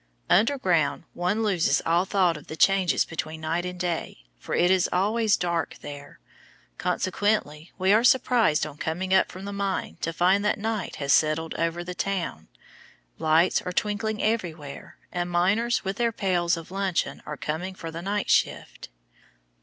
Underground one loses all thought of the changes between night and day, for it is always dark there. Consequently we are surprised on coming up from the mine to find that night has settled over the town. Lights are twinkling everywhere, and miners with their pails of luncheon are coming for the night shift.